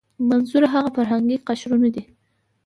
منظور هغه فرهنګي قشرونه دي.